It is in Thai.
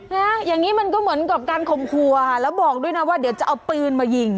นะอย่างนี้มันก็เหมือนกับการข่มครัวค่ะแล้วบอกด้วยนะว่าเดี๋ยวจะเอาปืนมายิง